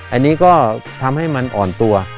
อันนี้ก็ทำให้มันอ่อนตัว